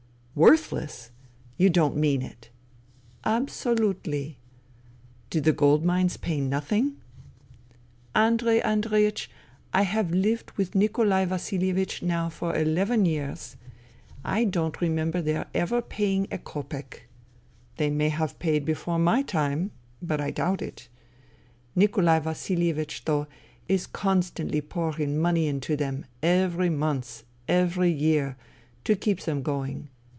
" Worthless ! You don't mean it ?"" Absolutely." " Do the gold mines pay nothing ?"" Andrei Andreieeh, I have lived with Nikolai Vasihevich now for over eleven years. I don't re member their ever paying a copeck. They may have THE THREE SISTERS 39 paid before my time. But I doubt it. Nikolai Vasilievich, though, is constantly pouring money into them, every month, every year, to keep them going.